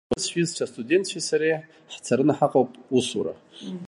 Уаҵәы сҩызцәа астудентцәеи сареи хцараны ҳаҟоуп усура.